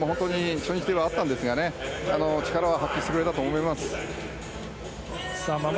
初日ではあったんですが力を発揮してくれたと思います。